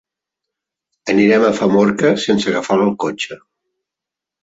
Anirem a Famorca sense agafar el cotxe.